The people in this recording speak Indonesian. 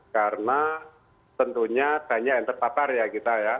karena tentunya banyak yang terpapar ya kita ya